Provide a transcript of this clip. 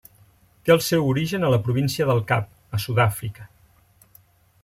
Té el seu origen a la Província del Cap, a Sud-àfrica.